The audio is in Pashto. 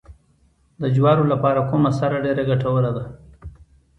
د جوارو لپاره کومه سره ډیره ګټوره ده؟